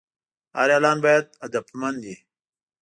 هر اعلان باید هدفمند وي.